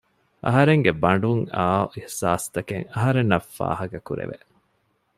އަހަރެންގެ ބަނޑުން އައު އިޙްސާސާތެއް އަހަރެންނަށް ފާހަގަ ކުރެވެ